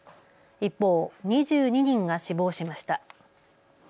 一方、２２人が死亡しました。